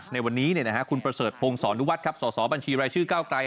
ในวันนี้คุณประเสริฐพงศรนุวัฒน์ครับสสบัญชีรายชื่อก้าวไกร